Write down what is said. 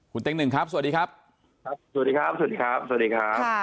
คุณเต็งหนึ่งครับสวัสดีครับครับสวัสดีครับสวัสดีครับสวัสดีครับ